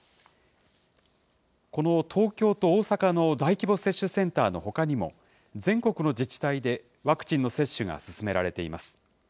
この東京と大阪の大規模接種センターのほかにも、全国の自治体でワクチンの接種が進められています。